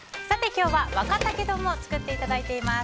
今日は若竹丼を作っていただいています。